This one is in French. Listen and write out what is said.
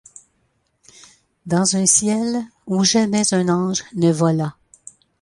Dans un ciel où jamais un ange ne vola